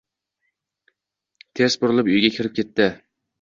Ters burilib, uyiga kirib ketdi